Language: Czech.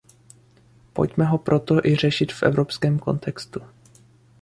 Pojďme ho proto i řešit v evropském kontextu.